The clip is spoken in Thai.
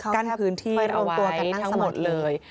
กั้นพื้นที่เอาไว้ทั้งหมดเลย